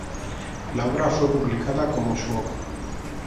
La obra fue publicada como su Op.